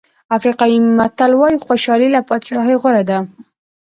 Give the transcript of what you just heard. افریقایي متل وایي خوشالي له بادشاهۍ غوره ده.